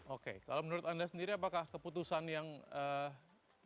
oke kalau menurut anda sendiri apakah keputusan yang ee